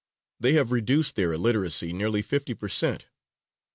They have reduced their illiteracy nearly 50 per cent.